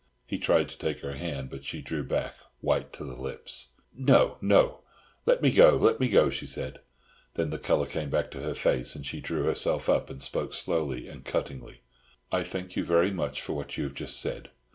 He tried to take her hand, but she drew back, white to the lips. "No, no; let me go; let me go," she said. Then the colour came back to her face, and she drew herself up, and spoke slowly and cuttingly: "I thank you very much for what you have just said.